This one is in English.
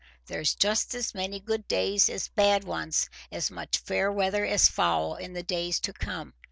There's just as many good days as bad ones; as much fair weather as foul in the days to come.